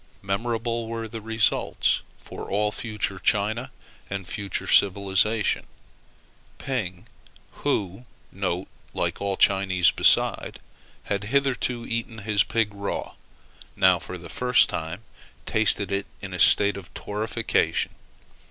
Memorable were the results for all future China and future civilization. Ping, who (like all China beside) had hitherto eaten his pig raw, now for the first time tasted it in a state of torrefaction.